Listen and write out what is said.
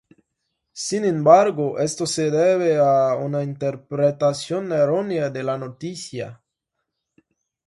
Sin embargo, esto se debe a una interpretación errónea de la noticia.